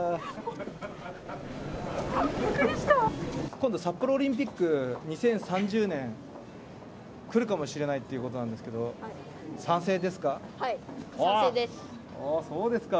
今度、札幌オリンピック２０３０年、くるかもしれないっていうことなんですけれども、賛成ですか？